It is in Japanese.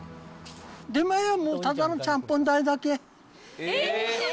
出前はもうちゃんぽん代だけ。